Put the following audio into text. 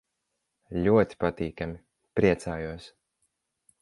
Ļoti patīkami. Priecājos.